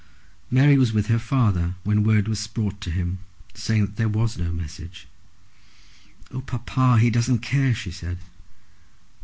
Mary was with her father when word was brought to him, saying that there was no message. "Oh, papa, he doesn't care!" she said.